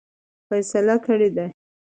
فیصله کړې ده.